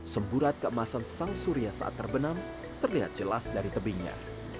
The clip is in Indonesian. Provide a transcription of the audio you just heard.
semburat keemasan sang surya saat terbenam terlihat jelas dari tebingnya